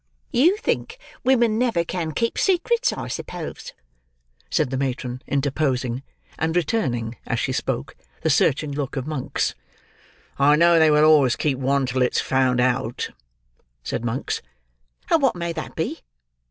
"You think women never can keep secrets, I suppose?" said the matron, interposing, and returning, as she spoke, the searching look of Monks. "I know they will always keep one till it's found out," said Monks. "And what may that be?"